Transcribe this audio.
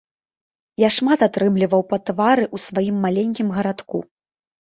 Я шмат атрымліваў па твары ў сваім маленькім гарадку.